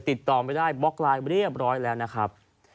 ติดต่อไม่ได้บล็อกไลน์เรียบร้อยแล้วนะครับ